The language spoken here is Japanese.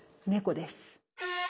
猫です。